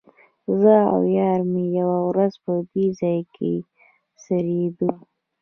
زه او یار مې یوه ورځ په دې ځای کې څریدو.